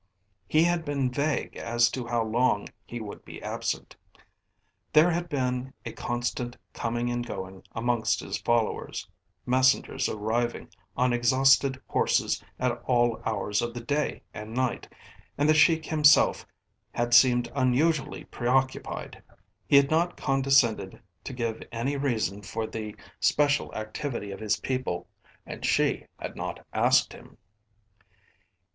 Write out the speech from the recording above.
He had been vague as to how long he would be absent. There had been a constant coming and going amongst his followers messengers arriving on exhausted horses at all hours of the day and night, and the Sheik himself had seemed unusually preoccupied. He had not condescended to give any reason for the special activity of his people and she had not asked him.